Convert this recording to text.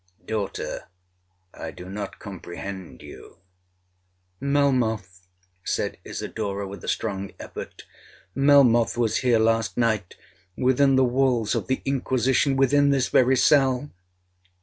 '—'Daughter, I do not comprehend you,'—'Melmoth,' said Isidora, with a strong effort, 'Melmoth was here last night—within the walls of the Inquisition—within this very cell!'